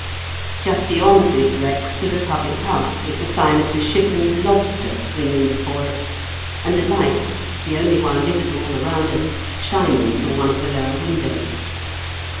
Just beyond this wreck stood a public house, with the sign of The Ship and Lobster swinging before it, and a light, the only one visible all around us, shining from one of the lower windows.